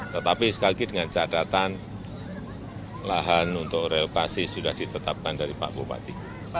tetapi sekali lagi dengan catatan lahan untuk relokasi sudah ditetapkan dari pak bupati